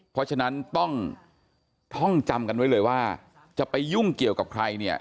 เพราะฉะนั้นต้องท่องจำกันไว้เลยว่าจะไปยุ่งเกี่ยวกับใครเนี่ย